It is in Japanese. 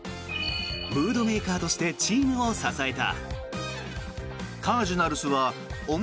ムードメーカーとしてチームを支えた。